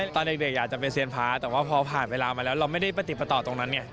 ตอนเด็กอยากจะไปเสียงพ้าแต่พอผ่านเวลามาแล้วเราไม่ได้ปฏิบต่อตรงนั้น